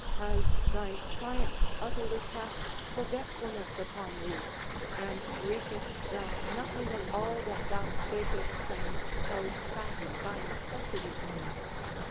Has thy triumph utterly cast forgetfulness upon thee, and reekest thou nothing of all that thou spakest when held fast by necessity?